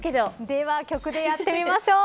では曲でやってみましょう。